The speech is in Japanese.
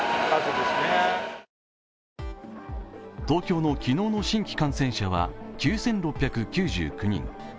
東京の昨日の新規感染者は９６９９人。